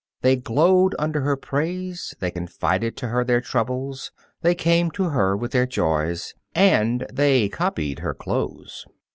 They glowed under her praise; they confided to her their troubles; they came to her with their joys and they copied her clothes.